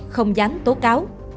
không dám tố cáo